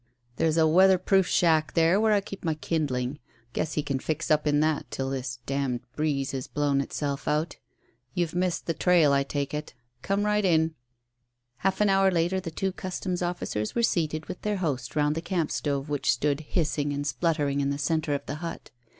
"There's a weatherproof shack there where I keep my kindling. Guess he can fix up in that till this d d breeze has blown itself out. You've missed the trail, I take it. Come right in." Half an hour later the two Customs officers were seated with their host round the camp stove which stood hissing and spluttering in the centre of the hut.